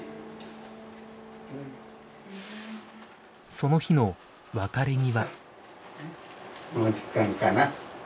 その日の別れ際。